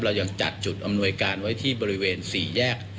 เรายังจัดจุดอำนวยการไว้ที่บริเวณ๔แยก